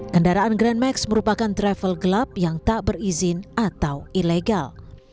kendaraan grand max merupakan travel gelap yang tak berizin atau ilegal